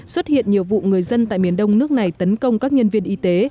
xuất hiện nhiều vụ người dân tại miền đông nước này tấn công các nhân viên y tế